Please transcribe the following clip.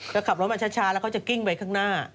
ก็ขับรถมาช้าแล้วเขาจะกิ้งไปข้างหน้า